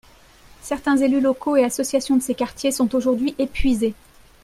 Certains élus locaux et associations de ces quartiers sont aujourd’hui épuisés.